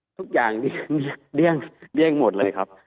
ทุกอย่างที่เลี่ยงเลี่ยงหมดเลยครับ